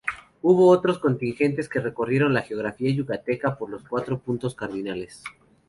Hubo otros contingentes que recorrieron la geografía yucateca por los cuatro puntos cardinales.